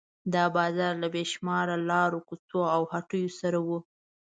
دا بازار له بې شمېره لارو کوڅو او هټیو سره و.